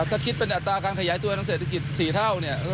ถ้าคิดเป็นอัตราการขยายตัวทางเศรษฐกิจ๔เท่าเนี่ย